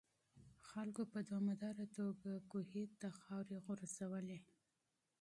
خلکو په دوامداره توګه کوهي ته خاورې غورځولې.